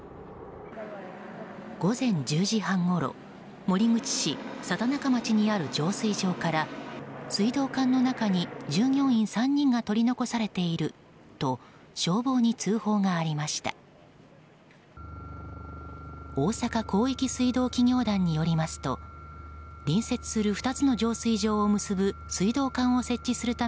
午前１０時半ごろ守口市佐太中町にある浄水場から水道管の中に従業員３人が取り残されていると消防に通報がありました。